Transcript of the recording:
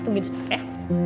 tungguin sebentar ya